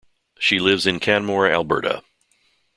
She lives in Canmore, Alberta.